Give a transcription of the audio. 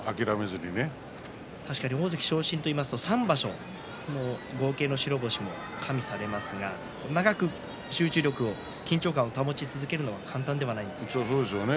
確かに大関昇進といいますと３場所合計の白星も加味されますが長く集中力、緊張感を保ち続けるのは簡単ではないですね。